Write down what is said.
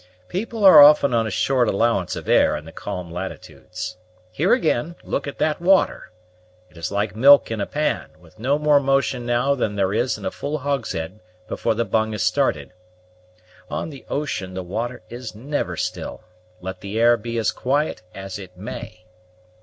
People are often on a short allowance of air in the calm latitudes. Here, again, look at that water! It is like milk in a pan, with no more motion now than there is in a full hogshead before the bung is started. On the ocean the water is never still, let the air be as quiet as it may."